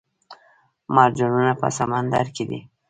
مرجانونه په سمندر کې دي